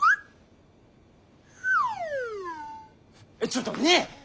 ちょっとねえ！